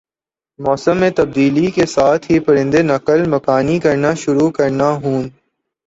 موسم میں تبدیلی کا ساتھ ہی پرندہ نقل مکانی کرنا شروع کرنا ہون